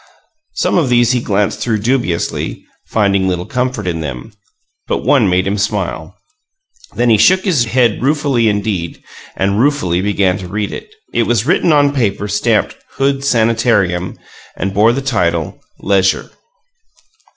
Some of these he glanced through dubiously, finding little comfort in them; but one made him smile. Then he shook his head ruefully indeed, and ruefully began to read it. It was written on paper stamped "Hood Sanitarium," and bore the title, "Leisure."